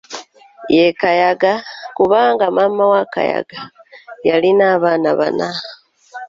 Ye Kayaga kubanga maama wa Kayaga yalina abaana bana.